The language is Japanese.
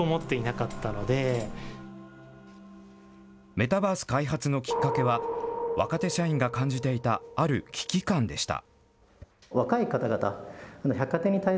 メタバース開発のきっかけは、若手社員が感じていたある危機感でした。